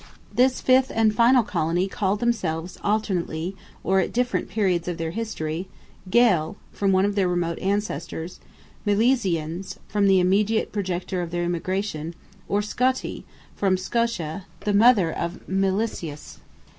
This fifth and final colony called themselves alternately, or at different periods of their history, Gael, from one of their remote ancestors; Milesians, from the immediate projector of their emigration; or Scoti, from Scota, the mother of Milesius.